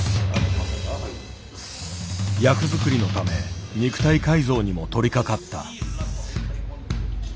役作りのため肉体改造にも取りかかった。